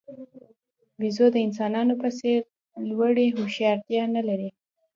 بیزو د انسانانو په څېر لوړې هوښیارتیا نه لري.